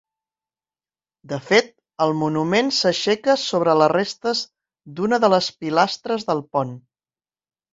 De fet, el monument s'aixeca sobre les restes d'una de les pilastres del pont.